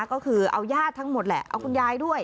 ก็คือเอายาดทั้งหมดแหละเอาคุณยายด้วย